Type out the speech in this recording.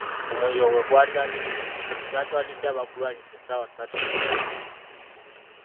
Omuliro bwe gwatandise, kyatwalidde abagulwanyisa essaawa ssatu okutuuka.